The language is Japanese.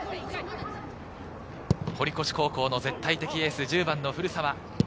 堀越高校の絶対的エース、１０番・古澤。